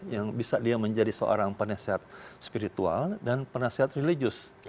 yang bisa dia menjadi seorang penasehat spiritual dan penasehat religius